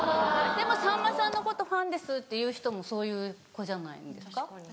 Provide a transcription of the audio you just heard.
でもさんまさんのことファンですって言う人もそういう子じゃないんですか？